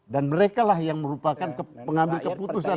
dan merekalah yang merupakan pengambil keputusan